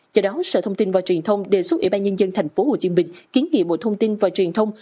do đó sở thông tin và truyền thông đề xuất ủy ban nhân dân tp hcm kiến nghị bộ thông tin và truyền thông